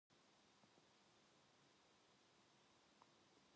그러나 교양이 있고 어질은 그의 어머니는 품팔이를 할지언정 성수는 곱게 길렀습니다.